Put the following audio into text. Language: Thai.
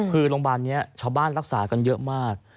คือโรงพยาบาลนี้ชาวบ้านรักษากันเยอะมาก